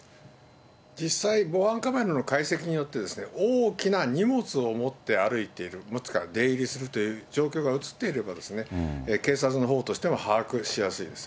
実際、防犯カメラの解析によって、大きな荷物を持って歩いている、出入りするという状況が写っていれば、警察のほうとしても把握しやすいです。